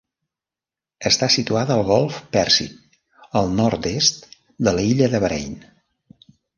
Està situada al golf Pèrsic, al nord-est de l'illa de Bahrain.